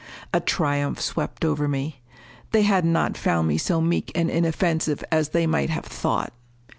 A triumph swept over me. They had not found me so meek and inoffensive as they might have thought!